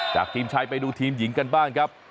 ทีมชายไปดูทีมหญิงกันบ้างครับ